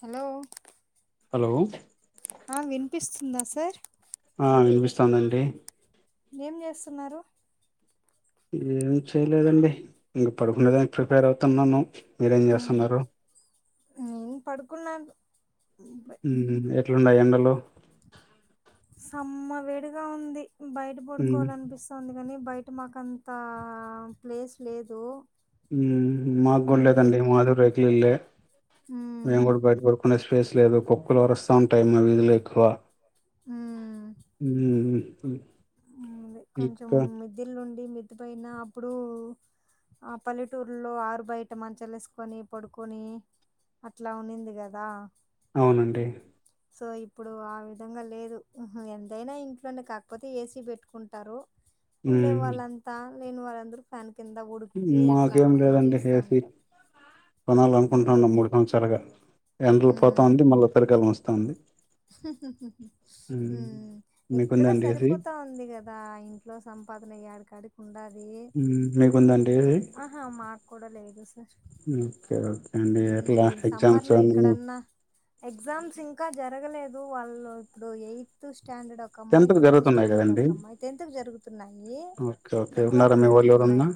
Hello hello ఆ వినిపిస్తుందా sir ఆ వినిపిస్తుదండి ఏం చేస్తున్నారు ఏం చేయలేదండి ఇంక పడుకునేదానికి ప్రిపేర్ అవుతున్నాను మీరేం చేస్తున్నారు ఇ పడుకున్నా ఎట్లుండయి ఎండలో అమ్మ వేడిగా ఉంది బయట ఉమ్ పడుకోవాలి అనిపిస్తుంది గాని బయట మాకుంత ప్లేస్ లేదు ఉ ఉమ్ మాగుల్లేదండి మాద్ ఇల్లే నేను ఉమ్ కూడా బయట పడుకొని అచ్ ప్లేస్ లేదు కుక్కలు అరుస్త ఉంటాయ్ మా వీధులో ఎక్కువ. ఉమ్ ఉమ్ [unintelligible] అదే కొంచెం ఇంకా మిద్లు ఉన్ అడి మెతిపోన అప్పుడు ఆ పల్లెటూరులో ఆరు బయట మంచలే వేసుకొని పడుకొని అట్లా ఉన్నింది కదా. అవునండి. సో ఇప్పుడు ఆ విధంగా లేదు ఎంతైనా ఇంట్లోనే కాకపోతే ఏసీ పెట్టుకున్ తరు ఉండే ఉమ్ వాళ్ళంతా. లేని వా వళ్ళందరు ఫ్యాన్ కింద ఉడిక్కి అట్లా మాకేం ఇది లేదండి చేస్తా ఏసీ ఉంటారు. ఉమ్, కొనాలనుకుంటున్నాం మూడు సంవత్సరాలుగా. ఎండ్రలు పోతా ఉమ్, ఉంది మళ్ళీ తరకాలలు వస్తంది పండి ఉమ్ ఎక్కడ మీకుందా అండి ఏసీ సరిపోతా ఉంది కదా ఇంట్లో సంపాదన ఎడికి ఆడికి ఉనద్ధి ఉమ్ మీకుందండి ఆది ఆహా మాకు కూడా లేదుస్ ఓకే ఓకే అండి ఎలా ఎక్జామ్స్ ఎక్సామ్స్ ఇంకా జరగలేదు వాళ్ళు ఇప్పుడు ఎయిత్ స్టాండర్డ్ ఒక అమ్మాయి టెన్త్ కు ఫిఫ్త్ జరుగుతున్నాయి స్టాండర్డ్ కదండి ఒక అమ్మాయి, టెన్త్ జరుగుతున్నాయి ఓకే ఓకే టెన్త్ ఉన్నారా వాళ్ళకు మీ వాళ్ళు జరుగుతున్నాయి ఎవరన్నా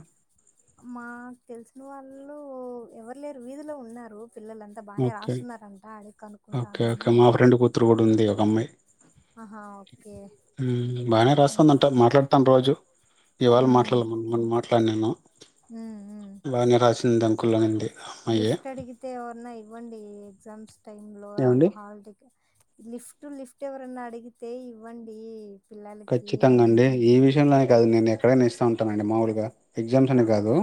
మా తెలుసు ఉన్న వాళ్ళు ఎవరు లేరు వీధిలో ఉన్నారు. పిల్లలంతా బాగానే ఓకే రాస్తున్నారంట అడికినుకుంటా ఉన్నాము. తోడ్ ఉంది ఒక అమ్మాయి ఓకే. ఉమ్ బానే హ్మ్. రాస్తుందంట మాట్లాడుతాం రోజు ఇవాళ హ్మ్. మాట్లాడ మొన్న మాట్లాడినాను. హ్మ్. బానే రాసిందం కుననండి లిఫట్ అడిగితే వర్ననై ఇవ్వండి ఎగ్జామ్స్ టైంలో అవ్ ఏమండి హాల్టికెట్ లిఫ్ట్ లిఫ్ట్ ఎవరన్నా అడిగితే ఇవ్వండి. పిల్లలకి ఖచ్చితంగా అని అండి అంటున్నా ఈ విషయంలోనే కాదు నేను ఎక్కడైన ఇస్తాను ఉంట నండి మాముూలుగా ఎగ్జామ్స్ అనే ఉమ్ కాదు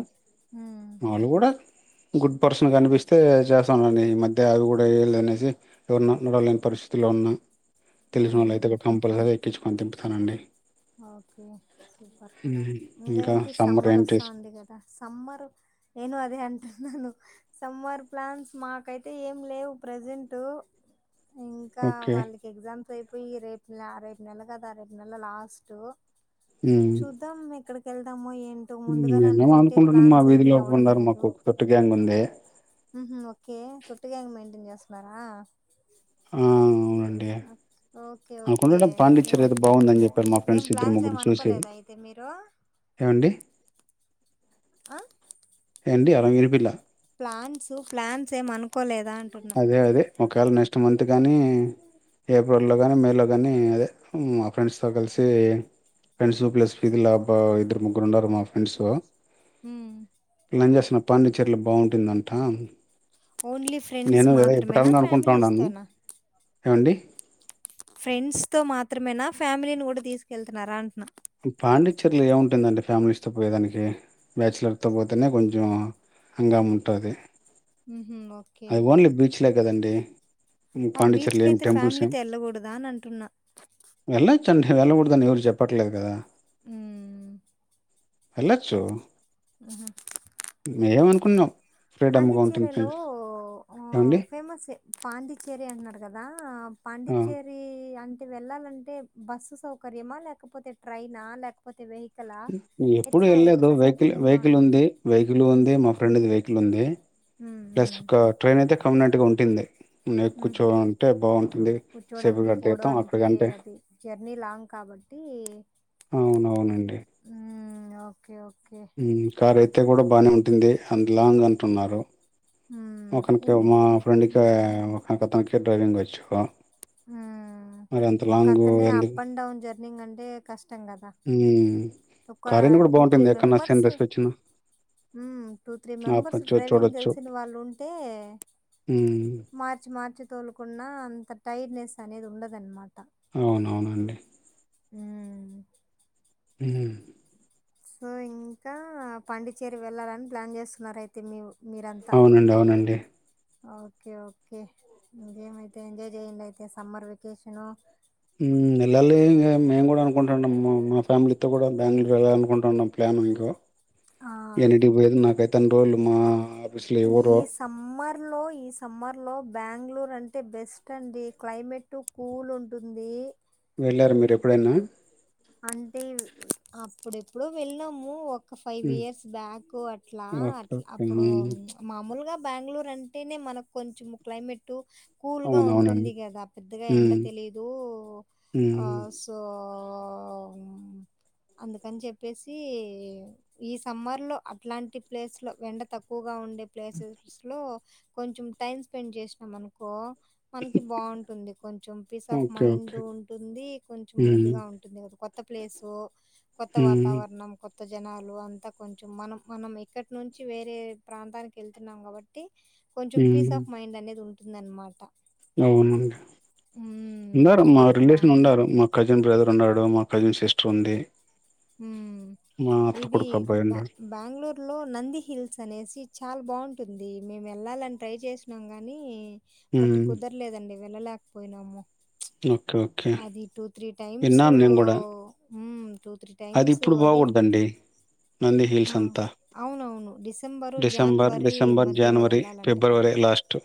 ఉమ్ మాళ్ళు కూడా గుడ్ పర్సన్ కనిపిస్తే చేస్తానండి ఈ మధ్య అవి కూడా చేయలే అనేసి ఎవన్నా నుగడ లేని పరిస్థితుల్లో ఉన్నా ఉమ్, తెలిసినో లయితే ఉహు. కంపల్సరి తెచ్చుకొని తింట స్తానండి ఓకే సూపర్ ఇంగా ఇంకా ఏంటి సమ్మర్ ఏంటిస్ వస్తాంది గదా సమ్మర్ నేను అదే అంటున్నాను సమ్మర్ ప్లాన్స్ మాకైతే ఏం లేవు ప్రజెంట్ ఇంకా ఓకే వాళ్ళకి ఎగ్జామ్స్ అయిపో పోయి రేపు లా రేపు నెల కద రేపు నెల లాస్ట్ తో ఉమ్ చూద్దాం ఎక్కడ ఏళ్దాముో ఏ ఇంత ముందుగానే మేమేం అనుకుంటే అనుకుంటున్నాం మా ప్లాన్స్ ఏమి వీధిలో అవ్వడం ఒకరున్నారు మాకు లేదు ఒక తొట్టు గ్యాంగ్ ఉంది ఉహు ఓకే తొట్టి గ్యాంగ్ మెయింటైన్ చేస్ ఉన్నార ఆ అవునం అ ఓ అనుకున్నరండి పాండిచ్చేరి అయితే బాగుందని చెప్పారు మా ఏం ఫ్రెండ్స్ ఇద్దరు ప్లాన్స్ ఏం ముగ్గురు చూసేది అనుకోలేదా అయితే మీరు ఏమండి అ ఎంటి ఆరంగే పిల ప్లాన్స్ ప్లాన్స్ ఏం అనుకోలే అదే అదే ఒకవేళ నెక్స్ట్ మంత్ గానీ ఏ ఏప్రిల్ లో గానీ మేలో గానీ అదే మా ఫ్రెండ్స్తో కలిసి ఫ్రెండ్స్ ప్లస్ ఫీది అబ్బ ఇద్దరు ముగ్గురు ఉన్నారు మా ఫ్రెండ్స్ ఉ ఫర్నిచర్లు బాగుంటుందంట ఓన్లీ ఫ్రెండ్స్ నేను కదా మాత్రమేనా ఎప్పుటాలని అనుకుంటా ఫ్యామిలీస్ ఉన్నాను. తోనా ఏవండి ఫ్రెండ్స్ తో మాత్రమేనా ఫ్యామిలీని కూడా తీసుకెళ్తున్నారా అంటున్నా పాండిచర్లో ఏముంటుందండి ఫ్యామిలీస్తో పోయేదానికి బ్యాచలర్తో పోతేనే కొంచెం హంగమా ఉంటది ఉహు ఓకే అది ఓన్లీ బీచ్లే కదండి ఉ ఆ పాండిచర్ల బీచ్కి ఏం అయితే టెంపుల్స్ ఏం ఫ్యామిలీతో వెళ్ళకూడదా అని అంటున్నా వెళ్ళొచ్చండి ఏళ్ళకుడదని ఎవరు చెప్పట్లేదు కదా ఉ ఏలచ్చు మే అనుకున్నాం పాండిచ్చేరీలో ఎండీ పాండీచ్చేరి అన్నారు కదా ఆ! పాండిచ్చేరి అం వెళ్ళాలంటే బస్సు సౌకర్యమా లేకపోతే ట్రైన్ ఆ లేకపోతే వె ఎప్పుడుూ వెళ్లేదు వెహికల్ వెహికల్ ఉంది ఉంటుంది వెహికల్ ఉంది మా ఫ్రెండ్ది వెహికల్ ఉంది ఉమ్ ప్లస్ ఉమ్ ఒక ట్రైన్ అయితే కన్వీనియెంట్ ఉంటుంది నీకు ఉహు చోంటే బాగుంటుంది కూర్చోడానికి పోవడానికి అది జర్నీ లాంగ్ కాబట్టి ఓకే ఓకే ఉ కార్ అయితే అంటే కూడా బాగానే ఉంటుంది అంత లాంగ్ అంటున్నారు ఉమ్ ఒకనీకి ఎన్ని మా ఫ్రెండ్ కి ఉమ్ ఒకత డ్రైవింగ్ వచ్చు ఆ మరి అంత ఒక లాంగు అతనే ఎందుకు? అప్ అండ్ డౌన్ జర్నీంగ్ అంటే కష్టం కదా హ్మ్. ఒక కారైనా గూడా టూ త్రీ బావుంటుంది. ఎక్కడన్నా మెంబర్స్ సీనరీస్ వచ్చినా ఉమ్ టూ త్రీ మెంబర్స్ ఆపొచ్చు, డ్రైవింగ్ చూడొచ్చు. తెలిసిన వాళ్ళు ఉంటే హ్మ్. మార్చి మార్చి తోలుకున్నా అంత టిడ్నెస్ అనేది ఉండదనమాట అవునవునండి అ హ సో ఇంకా పాండిచ్చేరి వెళ్ళాలని ప్లాన్ చేస్తున్నారు అయితే మీరూ అవునండి అవునండి ఓకే ఓకే ఇంకేమైతే ఎంజాయ్ చేయండి అయితే సమ్మర్ వెకేషను హ్మ్మ్ వెళ్ళాలి ఇంకా మేము కూడా అనుకుంటున్నాం మా మా ఫ్యామిలీతో కూడా బెంగళూరు వెళ్ళాలి అనుకుంటున్నాం ప్లాన్ ఇంకో ఆ ఎన్నింటికి పోయేది నాకైతే పత్తెం రోజులు మా ఆఫీస్లో ఎవర్ ఇర్ లో ఈ సమ్మర్ లో బెంగళూరు అంటే బెస్ట్ అండి క్లైమేట్ కూల్ ఉంటుంది వెళ్ళారు మీరు ఎప్పుడైనా అంటే అప్పుడు ఎప్పుడో వెళ్ళాము ఒక ఒక ఫైవ్ హ్మ్. ఇయర్స్ బ్యాక్ అట్లా ఓకే. At okay. అప్పుడు హ్మ్. మామూలుగా బెంగళూరు అంటేనే మనకు కొంచెం క్లైమేట్ కూల్ గా అవునవునండి. ఉంటుంది కదా పెద్దగా ఎండ హ్మ్. తెలీదు ఆ హ్మ్. సో ఆ అందుకని చెప్పేసి ఈ సమ్మర్లో అట్లాంటి ప్లేస్ లో వెండ తక్కువ గా ఉండే ప్లేసెస్ లో కొంచెం టైమ్ స్పెండ్ చేసినాం అనుకో మనకి బాగుంటుంది కొంచెం peace of okay. Mind okay. ఉంటుంది కొంచం హ్మ్. ఇదిగా ఉంటుంది కొత్త ప్లేసో కొత్త హ్మ్. వాతావరణం కొ కొత్త జనాలు అంతా కొంచెం మనం మనం ఇక్కడి నుంచి వేరే ప్రాంతానికి వెళ్తున్నాం కాబట్టి కొంచెం పీస్ హ్మ్. ఆఫ్ మైండ్ అనేది ఉం [unintelligible] అన్మాట అవునండి ఉన్నారు సో, బ మా బా రిలేషన్ ఉన్నారు మా కజిన్ బ్రదర్ ఉన్నాడు మా కజిన్ సిస్టర్ ఉంది హుమ్ మా అత్త ఇది కొడుకు అబ్బాయి బ ఉన్నాడు. బెంగళూర్ లో నంది హిల్స్ అనేసి చాలా బాగుంటుంది మేము వెళ్ళాలని ట్రై చేసినం గాని బట్ హ్మ్. కుదర లేదండి వెళ్ళలేక పోయినము ఓకే. ఓకే. అది టూ త్రీ టైమ్స్ ఊ విన్నాను నేను గూడా. ఉమ్ టూ త్రీ అది టైమ్స్ ఇప్పుడు అది బాగుండదండి నంది ఆ హిల్స్ అంతా అవునవును డిసెంబరు డిసెంబర్ జనవరి డిసెంబర్ మధ్యలో జనవరి వెళ్ళాలంట కదా ఫిబ్రవరి లాస్ట్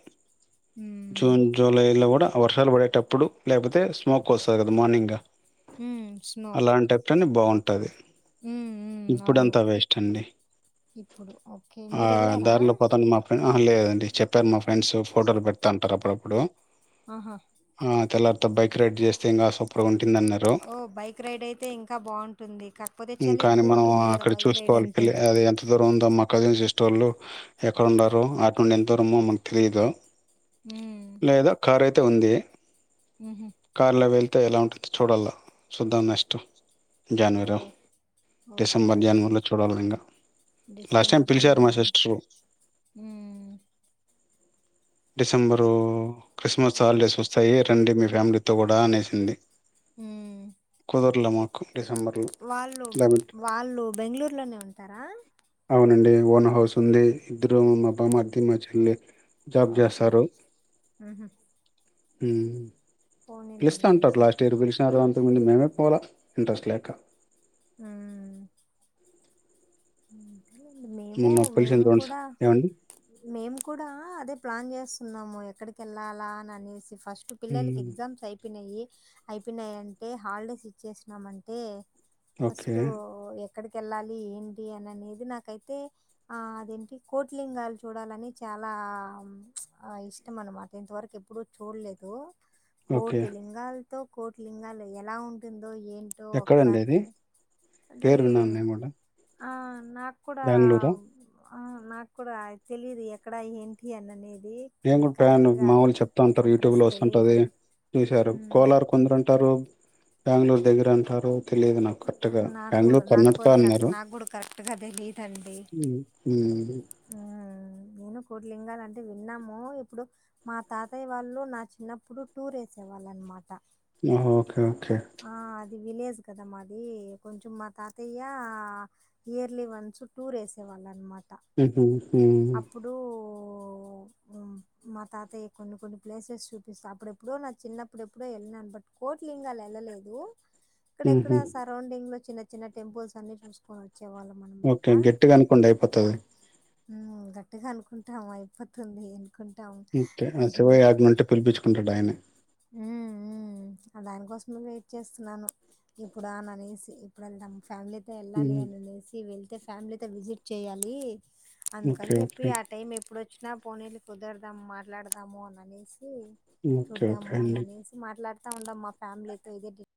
మ్మ్ జూన్ జూలైలో కూడా వర్షాలు పడేటప్పు పుడు లేకపోతే స్మోక్ వస్తది కదా మార్నింగ్ గా ఉమ్ స్నో బాం టది మ్మ్ మ్మ్ ఇప్పుడు అవును అంత వేస్ట్ అండి ఇప్పుడు ఓకే ఆ మీరు వెళ్ళారా దారిలో పోతాం మా ఫ ఆహా లేదండి చెప్పారు మా ఫ్రెండ్స్ ఫోటోలు పెడుతంటారు అప్పుడప్పుడు ఆహా ప్పుడు ఆ తల బైక్ రైడ్ చేస్తే ఇంకా సూపర్గా ఉం ఓ బైక్ రైడ్ అయితే ఇంకా బాగుంటు కాని మనం అక్కడ బైక్ రైడ్ చూసుకోవాలి అంటే పిల్లి అది ఎంత దూరం ఉందో మా కజిన్ సిస్ సోలో ఎక్కడ ఉండారో వాటి నుండి ఎంతరమో మకు తెలియదు మ్మ్ లేదా కారైత్ ఉంది ఉహు కార్ల వెెల్త్ అంతే ఎలా ఉంటుందో చూడాల చూద్దాం నెక్స్ట్ ఓ జనవరిలో, ఓకే డిసెంబర్, ఓకే జనవరిలో చూడాలి ఇంకా లాస్ట్ డిసెంబర్ టైం పిలిచారు జనవరి మా అని సిస్టరు ఉమ్ డిసెంబరు క్రిస్మస్ హాలిడేస్ వస్తాయి రండి మీ ఫ్యామిలీ కూడా అనేసింది. హు కుదర్లమాకు వాళ్ళు వాళ్ళు బెంగళూరులోనే ఉంటారా అవునండి ఓన హౌస్ ఉంది. ఇద్దరు నా బావమరిది నా చెల్లి జాబ్ ఓకే చేస్తారు. హు పోనీలేండి పిలుస్తంటారు అయితే లాస్ట్ ఇయర్ పిలిచినారు మేమే పోలా ఇంట్రెస్ట్ లేక అ హ మేము మొన్న పిలిచింది మేము రొండుసా కూడా ఏవండీ? మేము కూడా అదే ప్లాన్ చేస్తున్నాము ఎక్కడికిళ్ళాలా అని అనేసి ఫస్ట్ పిల్లలకి హ్మ్. ఎగ్జమ్స్ అయి అయిపోయినయి అయిపోయినాయి అంటే హాలిడేస్ ఇచ్చేసినమంటే ఓకే. ఫస్టు ఎ అక్కడికి వెళ్ళాలి ఏంటి టి అని అనేది నాకైతే అదేంటి కోటిలింగాలు చూడాలని చాలా ఇష్టం అన్నమాట ఇంతవరకు ఎప్పుడూ చూడలేదు ఓకే. కోటిలింగాలు తో కోటిలింగాలు ఎలా ఉంటుంది. ఏందో ఏంటో ఎక్కడండి ఒకసారి అది? అదీ పేరు విన్నాను నేను గూడా. ఆ నా నాకూడా బెంగుళూరా? ఆ నాకు కూడా తెలిదు ఎక్కడా ఏంటి అన్ననేది ఏం కూడా ప్యాన్ మామూలు చెప్తా ఉంటారు. యూట్యూబ్ అడ్రస్ లో వస్తుంటది తెలియదు చూసారు ఉమ్, కోలారు కొందరు అంటారు. బెంగళూరు దగ్గర అంటారు. తెలిదు నాకు కరెక్ట్గా నాకు కూడా బెంగళూరు నాకు కర్ణాటక కూడా కరె- అన్నారు. నాకు కూడా కరెక్ట్గా హు నేను కోటి లింగాలు అంటే విన్నాము ఇప్పుడు మా తాతయ్య వాళ్ళు నా చిన్నప్పుడు టూర్ వేసే వాళ్ళ అన్నమాట హు హు ఓకే ఓకే ఇది విలేజ్ కదా మాది కొంచెం మా తాతయ్య ఇయర్లీ వన్స్ టూర్ వేసేవాళ్ళ అన్నమాట [unintelligible] మా తాతయ్య కొన్ని కొన్ని ప్లేసెస్ చూపిస్తా అప్పుడెప్పుడో నా చిన్నప్పుడ ఎప్పుడో వెళ్ళినాను బట్ కోట్లింగాలు వెళ్ళలేదు ఇక్కడెక్కడ హుహు. సరౌండింగ్ లో చిన్న చిన్న టెంపుల్స్ అన్ని చూసుకున్న ఓకే గట్టిగా అనుకుండి అయిపోతది గట్టిగా అనుకుంటాం అయిపోతుంది అనుకుంటాం. ఓకే ఆ శివయ ఆగ్నంటే పిలిపించుకుంటాడు ఆయనే ఉమ్ అ దానికోసమే వెయిట్ చేస్తున్నాను ఎప్పుడా అని అనేసి ఏప్పుడు వెళ్దాం ఫ్యామిలీతో వెళ్ళాలి హ్మ్. అనినేసి వెళ్ల్ అయితే ఫ్యామిలీ తో విజిట్ చేయాలి అందుకని ఓకే. చెప్పి ఓకే. ఆ టైం ఎప్పుడు వ కృష్ణా పోనీకి కుదరదాము మాట్లాడదాము అనేసి ఓకే అండి మాట్లాడుతా ఉండాం మా ఫ్యామిలీతో ఇదే